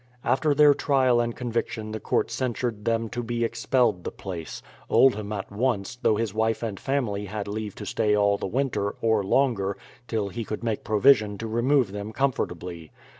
After their trial and conviction the court censured them to be expelled the place; Oldham at once, though his wife and family had leave to stay all the winter, or longer, till he could make provision to remove them comfortably.